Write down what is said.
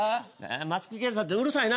マスク警察ってうるさいな。